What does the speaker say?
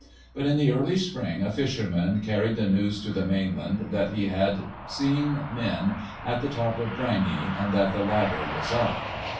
But in the early spring a fisherman carried the news to the mainland that he had seen men on the top of Drangey, and that the ladder was up.